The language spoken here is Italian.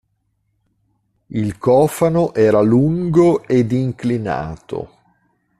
Il cofano era lungo ed inclinato.